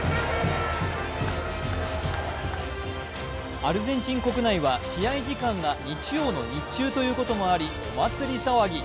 アルゼンチン国内は試合時間が日曜の日中ということもあり、お祭り騒ぎ。